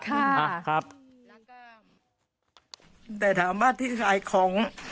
แต่ถามว่าที่ขายของ